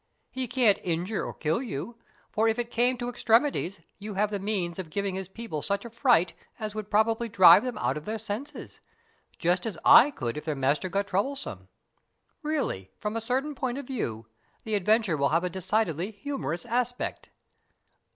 He can't injure or kill you, for if it came to extremities you have the means of giving his people such a fright as would probably drive them out of their senses, just as I could if their master got troublesome. Really, from a certain point of view, the adventure will have a decidedly humorous aspect."